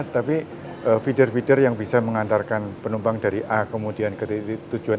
tapi feeder feeder yang bisa mengantarkan penumpang dari a kemudian ke tujuan